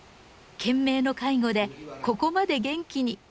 懸命の介護でここまで元気に。